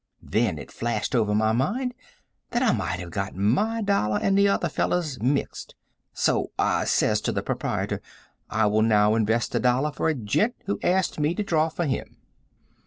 "Then it flashed over my mind that I might have got my dollar and the other feller's mixed, so I says to the proprietor, 'I will now invest a dollar for a gent who asked me to draw for him.'